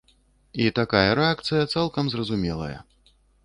І такая рэакцыя цалкам зразумелая.